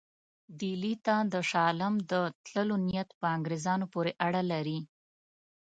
ډهلي ته د شاه عالم د تللو نیت په انګرېزانو پورې اړه لري.